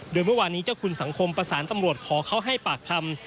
โดยเมื่อวานนี้เจ้าคุณสังคมประสานตำรวจขอเขาให้ปากคำ